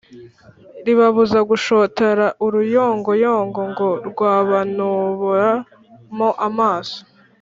ribabuza gushotora uruyongoyongo ngo rwabanubora mo amaso